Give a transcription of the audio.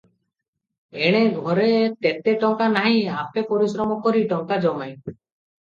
ଏଣେ ଘରେ ତେତେ ଟଙ୍କା ନାହିଁ, ଆପେ ପରିଶ୍ରମ କରି ଟଙ୍କା ଜମାଏ ।